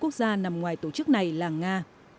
quốc gia nằm ngoài tổ chức này là nga